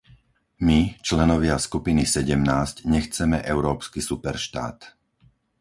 My, členovia skupiny sedemnásť, nechceme európsky superštát.